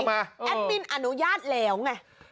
แอดมินอนุญาตแล้วไง